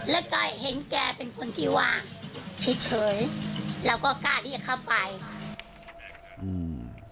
แล้วก็เห็นแกเป็นคนที่ว่างเฉยเฉยเราก็กล้าที่จะเข้าไปอืม